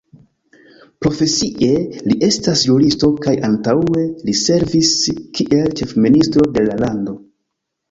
Profesie li estas juristo kaj antaŭe li servis kiel ĉefministro de la lando.